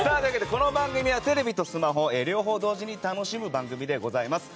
この番組は、テレビとスマホ両方同時に楽しむ番組でございます。